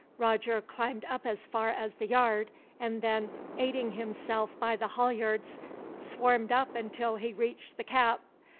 Roger climbed up as far as the yard and then, aiding himself by the halyards, swarmed up until he reached the cap.